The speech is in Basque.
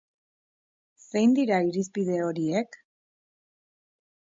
Zein dira irizpide horiek?